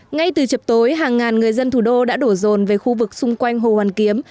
ngay từ chập tối hàng ngàn người dân thủ đô đã đổ rồn về khu vực xung quanh hồ hoàn kiếm